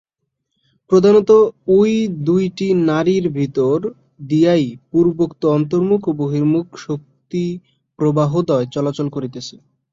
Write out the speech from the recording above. প্রধানত ঐ দুইটি নাড়ীর ভিতর দিয়াই পূর্বোক্ত অন্তর্মুখ ও বহির্মুখ শক্তিপ্রবাহদ্বয় চলাচল করিতেছে।